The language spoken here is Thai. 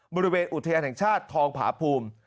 บริเวณอุทยานแห่งชาติทองผาภูมิ